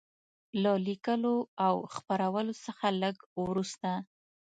له لیکلو او خپرولو څخه لږ وروسته.